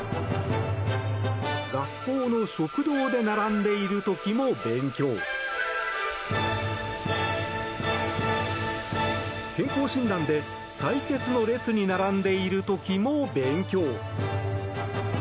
学校の食堂で並んでいる時も勉強健康診断で採血の列に並んでいる時も勉強